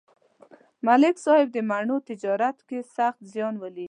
ملک صاحب د مڼو تجارت کې سخت زیان ولید